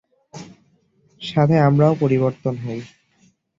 সাথে আমরাও পরিবর্তন হই।